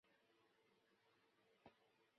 这型号的巴士同样售予非洲。